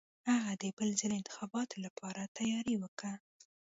هغه د بل ځل انتخاباتو لپاره تیاری وکه.